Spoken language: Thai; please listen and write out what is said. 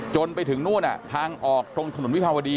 จนไปถึงนู่นทางออกตรงถนนวิภาวดี